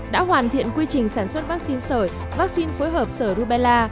đã hoàn thiện quy trình sản xuất vaccine sở vaccine phối hợp sở rubella